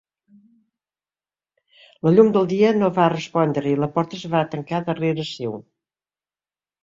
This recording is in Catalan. La llum del dia no va respondre i la porta es va tancar darrere seu.